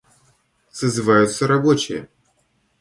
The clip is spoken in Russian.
Созываются рабочие.